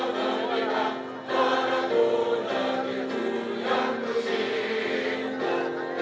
fakultatan fakultat pembelajaran